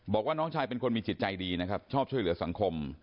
บอกว่าน้องชายเป็นคนมีจิตใจดีนะครับชอบช่วยเหลือสังคม